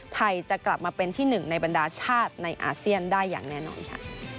จะกลับมาเป็นที่หนึ่งในบรรดาชาติในอาเซียนได้อย่างแน่นอนค่ะ